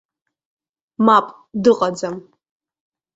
Мап, дыҟаӡам.